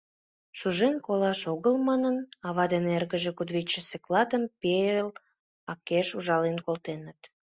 Шужен колаш огыл манын, ава ден эргыже кудывечысе клатым пел акеш ужален колтеныт.